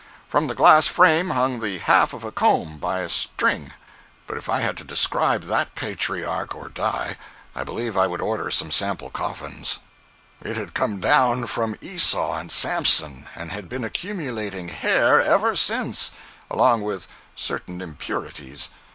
From the glass frame hung the half of a comb by a string—but if I had to describe that patriarch or die, I believe I would order some sample coffins. 041.jpg (47K) 042a.jpg (11K) It had come down from Esau and Samson, and had been accumulating hair ever since—along with certain impurities.